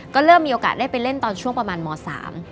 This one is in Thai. ก็เริ่มมีโอกาสได้ไปเล่นตอนช่วงประมาณมสาม